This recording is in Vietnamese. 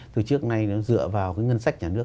từ trước nay nó dựa vào cái ngân sách nhà nước